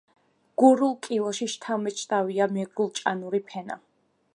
გურულ კილოში შთამბეჭდავია მეგრულ-ჭანური ფენა.